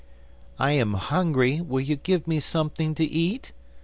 'I am hungry, will you give me something to eat?